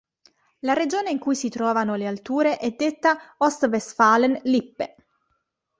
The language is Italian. La regione in cui si trovano le alture è detta Ostwestfalen-Lippe.